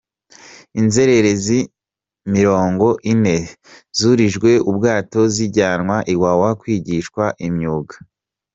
Inzererezi mirongo ine zurijwe ubwato zijyanwa i Wawa kwigishwa imyuga